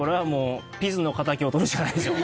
ピズの敵をとるしかないでしょう。